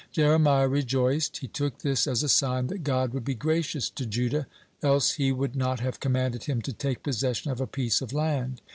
Jeremiah rejoiced; he took this as a sign that God would be gracious to Judah, else He would not have commanded him to take possession of a piece of land.